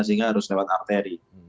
sehingga harus lewat rtad